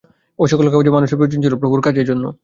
ও-সকল কাগজে নামের প্রয়োজন ছিল, প্রভুর কার্যের জন্য।